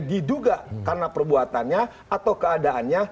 diduga karena perbuatannya atau keadaannya